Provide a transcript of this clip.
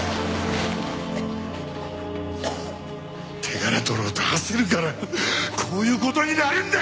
手柄取ろうと焦るからこういう事になるんだよ！